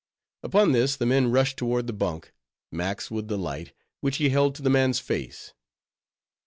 Upon this the men rushed toward the bunk, Max with the light, which he held to the man's face.